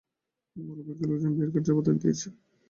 বরপক্ষীয় লোকজন বিয়ের কার্ড ছাপাতে দিয়েছে।